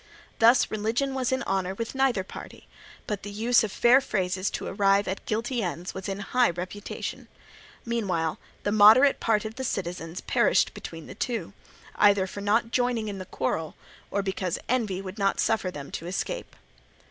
Thus religion was in honour with neither party; but the use of fair phrases to arrive at guilty ends was in high reputation. Meanwhile the moderate part of the citizens perished between the two, either for not joining in the quarrel, or because envy would not suffer them to escape.